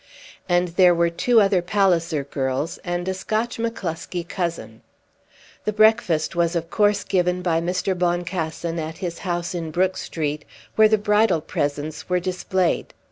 And there were two other Palliser girls and a Scotch McCloskie cousin. The breakfast was of course given by Mr. Boncassen at his house in Brook Street, where the bridal presents were displayed.